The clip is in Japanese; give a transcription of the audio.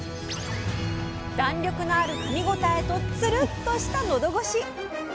弾力のあるかみ応えとツルッとしたのどごし。